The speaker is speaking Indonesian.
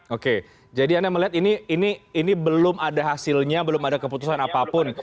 oke jadi anda melihat ini belum ada hasilnya belum ada keputusan apapun